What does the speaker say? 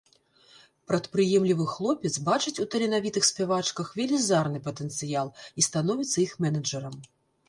Прадпрыемлівы хлопец бачыць у таленавітых спявачках велізарны патэнцыял і становіцца іх менеджарам.